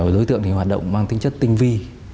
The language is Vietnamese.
đối tượng hoạt động mang tính chất tinh vi